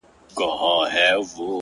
د شرابو خُم پر سر واړوه یاره!!